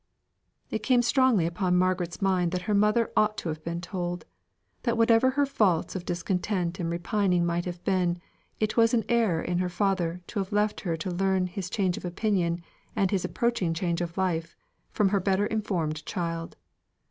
It came strongly upon Margaret's mind that her mother ought to have been told: that whatever her faults of discontent and repining might have been, it was an error in her father to have left her to learn his change of opinion, and his approaching change of life, from her better informed child.